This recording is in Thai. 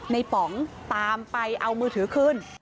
ป๋องตามไปเอามือถือคืน